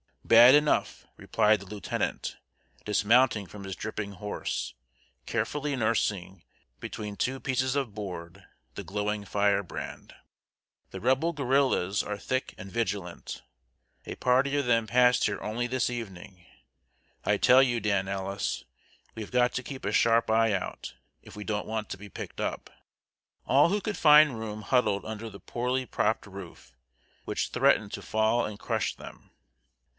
"Bad enough," replied the lieutenant, dismounting from his dripping horse, carefully nursing, between two pieces of board, the glowing firebrand. "The Rebel guerrillas are thick and vigilant. A party of them passed here only this evening. I tell you, Dan Ellis, we have got to keep a sharp eye out, if we don't want to be picked up." All who could find room huddled under the poorly propped roof, which threatened to fall and crush them.